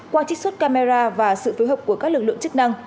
qua trích xuất camera và sự phối hợp của các lực lượng chức năng